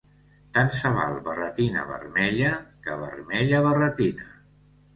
Tant se val barretina vermella que vermella barretina.